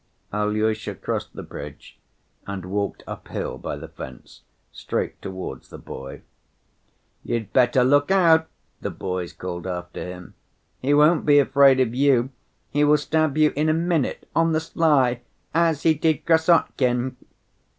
Alyosha crossed the bridge and walked uphill by the fence, straight towards the boy. "You'd better look out," the boys called after him; "he won't be afraid of you. He will stab you in a minute, on the sly, as he did Krassotkin."